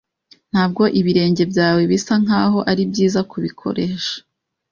Ntabwo ibirenge byawe bisa nkaho ari byiza kubikoresha